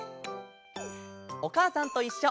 「おかあさんといっしょ」